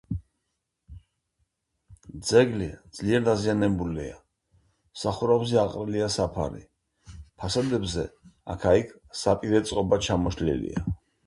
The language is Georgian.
ძეგლი ძლიერ დაზიანებულია: სახურავზე აყრილია საფარი; ფასადებზე აქა-იქ საპირე წყობა ჩამოშლილია.